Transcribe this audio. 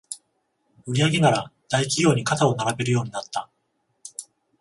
売上なら大企業に肩を並べるようになった